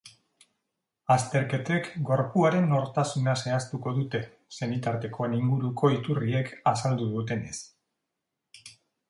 Azterketek gorpuaren nortasuna zehaztuko dute, senitartekoen inguruko iturriek azaldu dutenez.